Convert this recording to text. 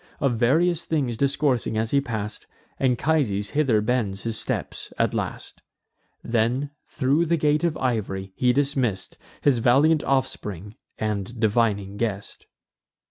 Of various things discoursing as he pass'd, Anchises hither bends his steps at last. Then, thro' the gate of iv'ry, he dismiss'd His valiant offspring and divining guest.